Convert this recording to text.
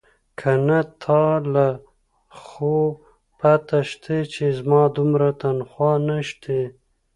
که نه تا له خو پته شتې چې زما دومره تنخواه نيشتې.